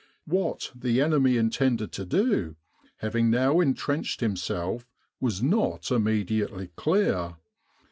What the enemy intended to do, having now entrenched himself, was not immediately clear.